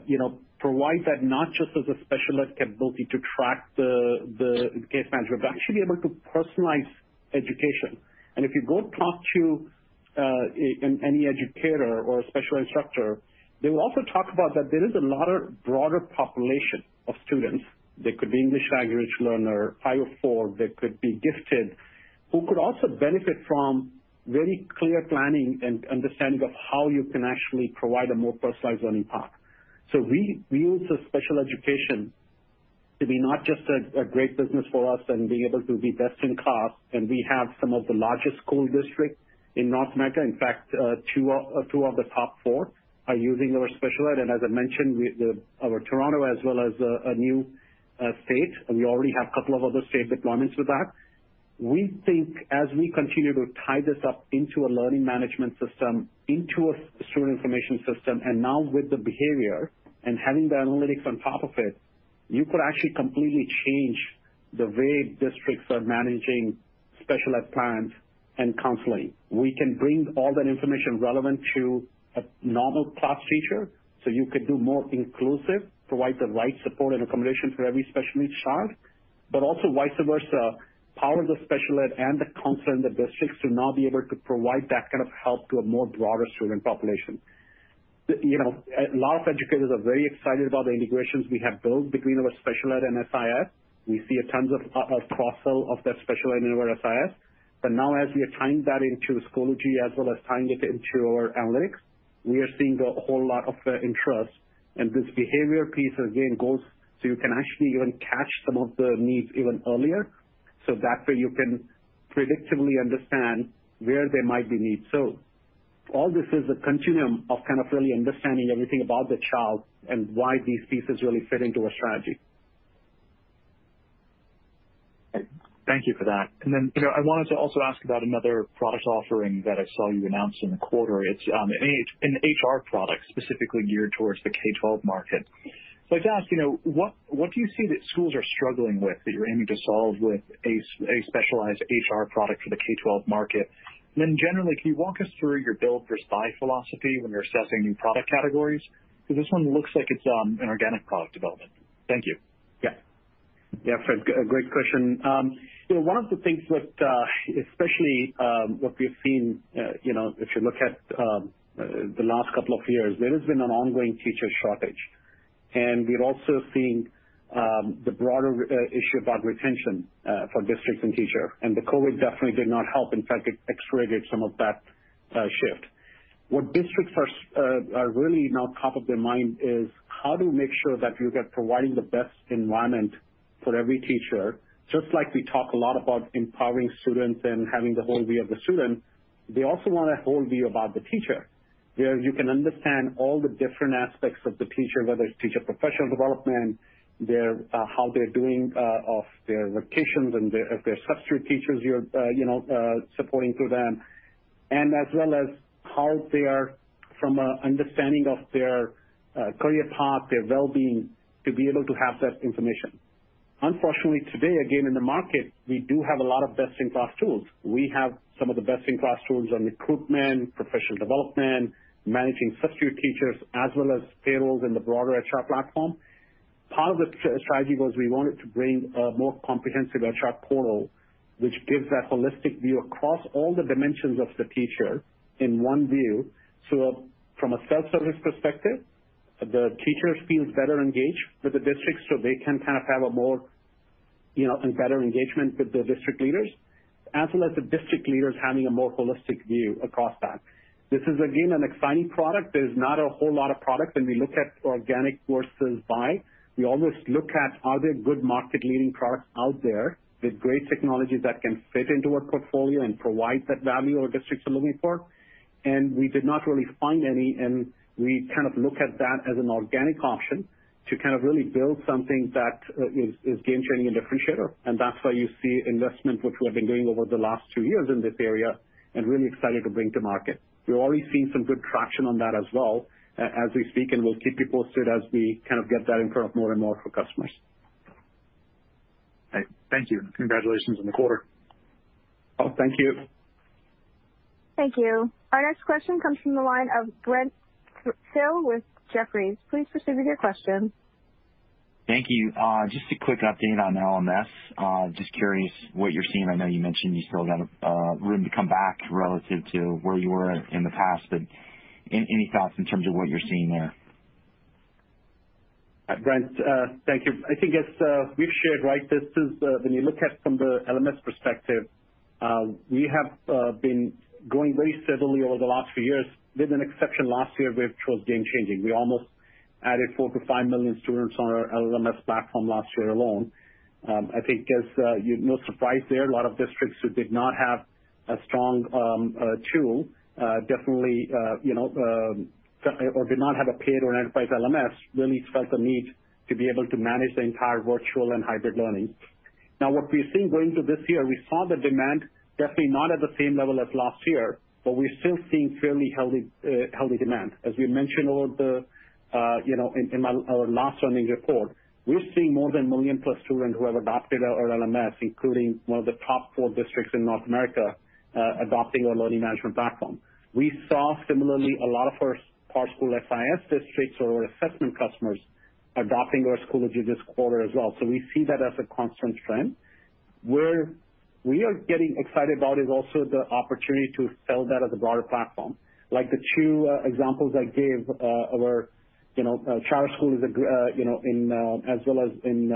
you know, provide that not just as a special ed capability to track the case management, but actually be able to personalize education. If you go talk to an any educator or a special instructor, they will also talk about that there is a lot of broader population of students. They could be English language learner, 504, they could be gifted, who could also benefit from very clear planning and understanding of how you can actually provide a more personalized learning path. We use the special education to be not just a great business for us and being able to be best in class, and we have some of the largest school districts in North America. In fact, two of the top four are using our special ed. As I mentioned, our Toronto as well as a new state, and we already have a couple of other state deployments with that. We think as we continue to tie this up into a learning management system, into a student information system, and now with the behavior and having the analytics on top of it, you could actually completely change the way districts are managing special ed plans and counseling. We can bring all that information relevant to a normal class teacher, so you could do more inclusive, provide the right support and accommodation for every special needs child, but also vice versa, power the special ed and the counselor in the districts to now be able to provide that kind of help to a more broader student population. You know, a lot of educators are very excited about the integrations we have built between our special ed and SIS. We see a ton of cross-sell of that special ed in our SIS. Now as we are tying that into Schoology as well as tying it into our analytics, we are seeing a whole lot of interest. This behavior piece again goes so you can actually even catch some of the needs even earlier, so that way you can predictively understand where there might be needs. All this is a continuum of kind of really understanding everything about the child and why these pieces really fit into a strategy. Thank you for that. Then, you know, I wanted to also ask about another product offering that I saw you announce in the quarter. It's an HR product specifically geared towards the K-12 market. I'd ask, you know, what do you see that schools are struggling with that you're aiming to solve with a specialized HR product for the K-12 market? Generally, can you walk us through your build versus buy philosophy when you're assessing new product categories? This one looks like it's an organic product development. Thank you. Yeah. Yeah, Fred, great question. You know, one of the things with especially what we've seen, you know, if you look at the last couple of years, there has been an ongoing teacher shortage. We've also seen the broader issue about retention for districts and teachers. The COVID definitely did not help. In fact, it accelerated some of that shift. What districts are really now top of their mind is how to make sure that you get providing the best environment for every teacher. Just like we talk a lot about empowering students and having the whole view of the student, they also want a whole view about the teacher. Where you can understand all the different aspects of the teacher, whether it's teacher professional development, their how they're doing on their rotations and if they're substitute teachers, you're you know supporting through them, as well as how they are from an understanding of their career path, their well-being to be able to have that information. Unfortunately, today, again, in the market, we do have a lot of best-in-class tools. We have some of the best-in-class tools on recruitment, professional development, managing substitute teachers, as well as payrolls in the broader HR platform. Part of the strategy was we wanted to bring a more comprehensive HR portal, which gives that holistic view across all the dimensions of the teacher in one view. From a self-service perspective, the teachers feel better engaged with the district, so they can kind of have a more, you know, and better engagement with the district leaders, as well as the district leaders having a more holistic view across that. This is again, an exciting product. There's not a whole lot of product, and we look at organic versus buy. We always look at are there good market leading products out there with great technologies that can fit into our portfolio and provide that value our districts are looking for. We did not really find any, and we kind of look at that as an organic option to kind of really build something that is game changing and differentiator. That's why you see investment, which we have been doing over the last two years in this area and really excited to bring to market. We're already seeing some good traction on that as well as we speak, and we'll keep you posted as we kind of get that in front of more and more of our customers. Right. Thank you. Congratulations on the quarter. Oh, thank you. Thank you. Our next question comes from the line of Brent Thill with Jefferies. Please proceed with your question. Thank you. Just a quick update on LMS. Just curious what you're seeing. I know you mentioned you still got room to come back relative to where you were in the past, but any thoughts in terms of what you're seeing there? Brent, thank you. I think as we've shared, right, this is when you look at from the LMS perspective, we have been growing very steadily over the last few years. With an exception last year, which was game changing. We almost added 4 milion-5 million students on our LMS platform last year alone. I think it's no surprise there, a lot of districts who did not have a strong tool definitely, you know, or did not have a paid or enterprise LMS really felt the need to be able to manage the entire virtual and hybrid learning. Now, what we're seeing going into this year, we saw the demand definitely not at the same level as last year, but we're still seeing fairly healthy demand. As we mentioned in our last earnings report, we're seeing more than 1 million+ students who have adopted our LMS, including one of the top four districts in North America adopting our learning management platform. We saw similarly a lot of our PowerSchool SIS districts or assessment customers adopting our Schoology this quarter as well. We see that as a constant trend. Where we are getting excited about is also the opportunity to sell that as a broader platform. Like the two examples I gave, our, you know, charter school, you know, in as well as in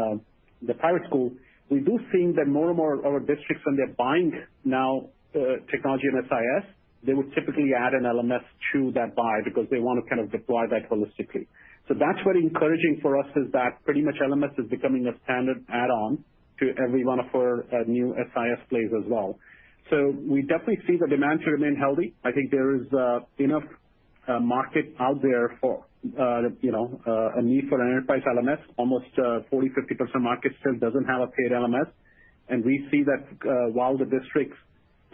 the private school, we do think that more and more our districts, when they're buying now technology and SIS, they would typically add an LMS to that buy because they wanna kind of deploy that holistically. That's what's encouraging for us is that pretty much LMS is becoming a standard add-on to every one of our new SIS plays as well. We definitely see the demand to remain healthy. I think there is enough market out there for, you know, a need for an enterprise LMS. Almost 40%-50% market still doesn't have a paid LMS. We see that, while the districts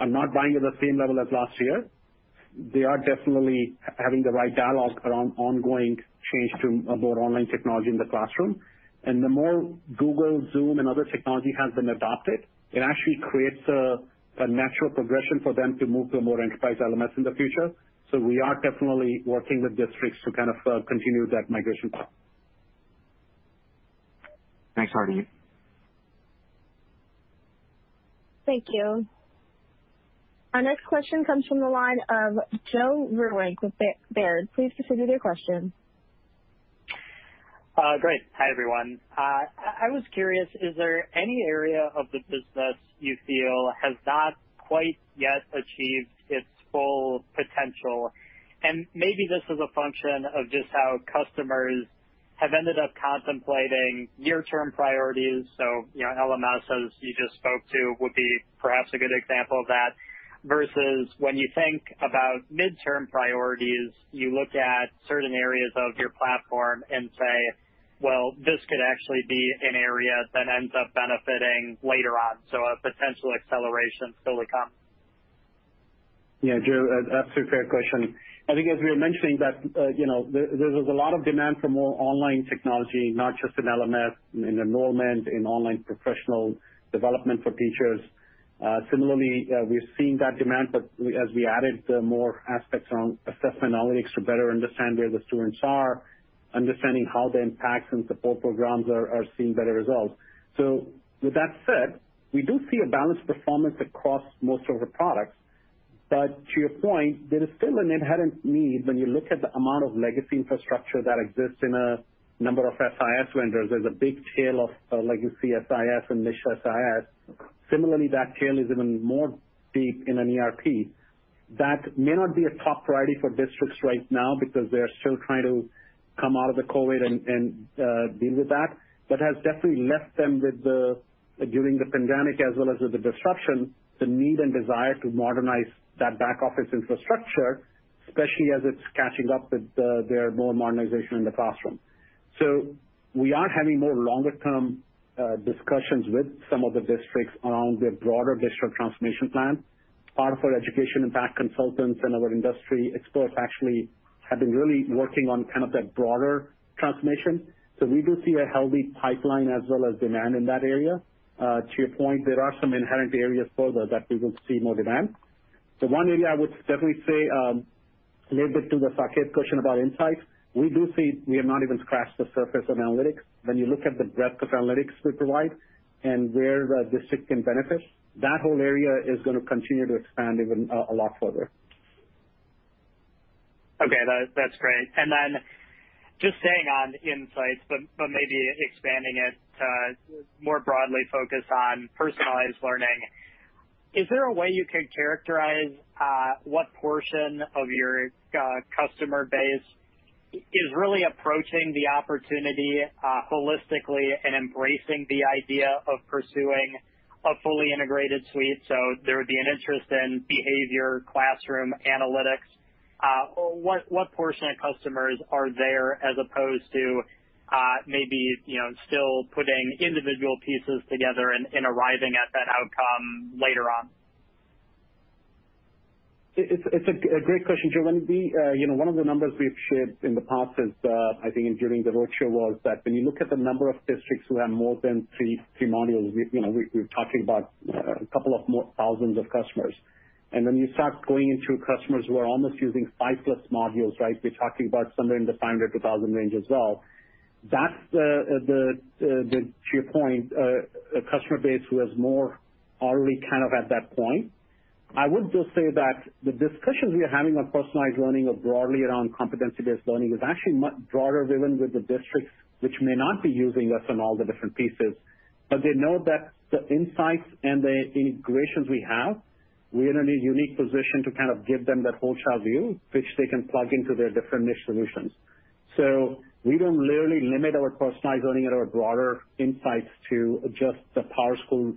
are not buying at the same level as last year, they are definitely having the right dialogue around ongoing change to a more online technology in the classroom. The more Google, Zoom, and other technology has been adopted, it actually creates a natural progression for them to move to a more enterprise LMS in the future. We are definitely working with districts to kind of continue that migration path. Thanks, Hardeep. Thank you. Our next question comes from the line of Joe Vruwink with Baird. Please proceed with your question. I was curious, is there any area of the business you feel has not quite yet achieved its full potential? Maybe this is a function of just how customers have ended up contemplating near-term priorities. You know, LMSs you just spoke to would be perhaps a good example of that, versus when you think about midterm priorities, you look at certain areas of your platform and say, "Well, this could actually be an area that ends up benefiting later on." A potential acceleration still to come. Yeah, Joe, that's a fair question. I think as we were mentioning that, you know, there is a lot of demand for more online technology, not just in LMS, in enrollment, in online professional development for teachers. Similarly, we're seeing that demand, but as we added the more aspects around assessment analytics to better understand where the students are, understanding how the impacts and support programs are seeing better results. With that said, we do see a balanced performance across most of the products. To your point, there is still an inherent need when you look at the amount of legacy infrastructure that exists in a number of SIS vendors. There's a big tail of legacy SIS and niche SIS. Similarly, that tail is even more big in an ERP. That may not be a top priority for districts right now because they're still trying to come out of the COVID and deal with that, but has definitely left them with the during the pandemic as well as with the disruption, the need and desire to modernize that back office infrastructure, especially as it's catching up with the their more modernization in the classroom. We are having more longer term discussions with some of the districts around their broader district transformation plan. Part of our education impact consultants and our industry experts actually have been really working on kind of that broader transformation. We do see a healthy pipeline as well as demand in that area. To your point, there are some inherent areas further that we will see more demand. The one area I would definitely say, related to the Saket question about insights, we do see we have not even scratched the surface on analytics. When you look at the breadth of analytics we provide and where the district can benefit, that whole area is gonna continue to expand even, a lot further. Okay. That's great. Just staying on insights, but maybe expanding it to more broadly focus on personalized learning. Is there a way you could characterize what portion of your customer base is really approaching the opportunity holistically and embracing the idea of pursuing a fully integrated suite, so there would be an interest in behavior, classroom analytics? What portion of customers are there as opposed to maybe, you know, still putting individual pieces together and arriving at that outcome later on? It's a great question, Joe. When one of the numbers we've shared in the past is, I think during the virtual world, that when you look at the number of districts who have more than modules, we're talking about a couple of more thousands of customers. When you start going into customers who are almost using 5+ modules, right? We're talking about somewhere in the 500-2,000 range as well. That's to your point, a customer base who has more already kind of at that point. I would just say that the discussions we are having on personalized learning or broadly around competency-based learning is actually much broader even with the districts which may not be using us in all the different pieces. They know that the insights and the integrations we have, we are in a unique position to kind of give them that whole child view, which they can plug into their different niche solutions. We don't really limit our personalized learning or our broader insights to just the PowerSchool,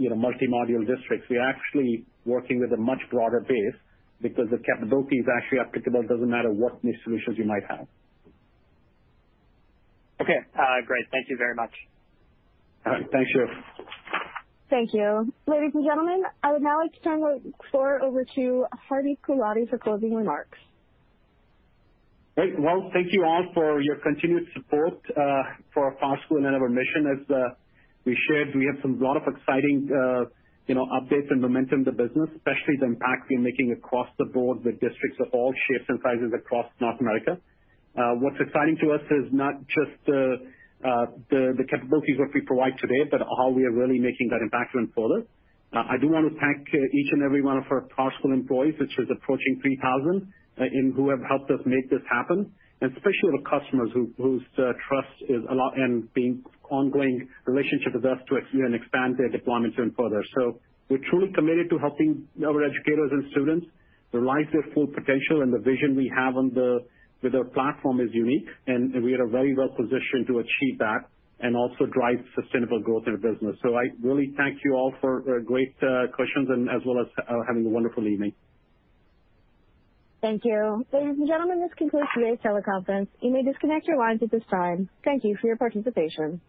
you know, multi-module districts. We're actually working with a much broader base because the capability is actually applicable, it doesn't matter what niche solutions you might have. Okay. Great. Thank you very much. All right. Thanks, Joe. Thank you. Ladies and gentlemen, I would now like to turn the floor over to Hardeep Gulati for closing remarks. Great. Well, thank you all for your continued support for our PowerSchool and then our mission. As we shared, we have a lot of exciting, you know, updates and momentum in the business, especially the impact we're making across the board with districts of all shapes and sizes across North America. What's exciting to us is not just the capabilities that we provide today, but how we are really making that impact even further. I do wanna thank each and every one of our PowerSchool employees, which is approaching 3,000, and who have helped us make this happen, and especially the customers whose trust and loyalty and their ongoing relationship with us to, you know, expand their deployments even further. We're truly committed to helping our educators and students realize their full potential, and the vision we have with our platform is unique, and we are very well positioned to achieve that and also drive sustainable growth in the business. I really thank you all for great questions and as well as having a wonderful evening. Thank you. Ladies and gentlemen, this concludes today's teleconference. You may disconnect your lines at this time. Thank you for your participation.